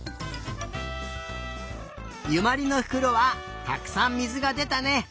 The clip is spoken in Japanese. ゆまりのふくろはたくさんみずがでたね。